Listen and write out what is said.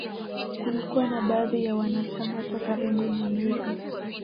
Kulikuwa na baadhi ya wanachama toka Embu na Meru